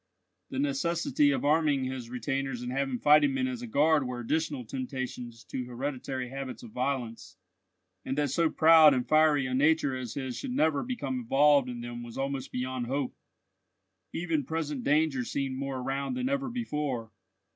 The necessity of arming his retainers and having fighting men as a guard were additional temptations to hereditary habits of violence; and that so proud and fiery a nature as his should never become involved in them was almost beyond hope. Even present danger seemed more around than ever before.